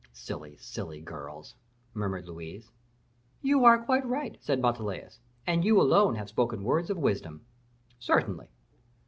"Silly, silly girls!" murmured Louise. "You are quite right," said Montalais; "and you alone have spoken words of wisdom." "Certainly."